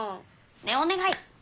ねえおねがい！